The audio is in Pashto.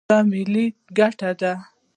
دا ملي ګټه ده.